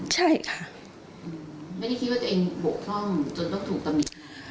ใช่ค่ะไม่ได้คิดว่าตัวเองบกพร่องจนต้องถูกตำหนิ